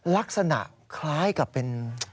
ลักษณะคล้ายกับเป็น